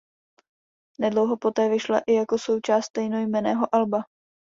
Nedlouho poté vyšla i jako součást stejnojmenného alba.